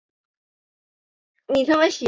该庙是察哈尔地区镶白旗的旗庙。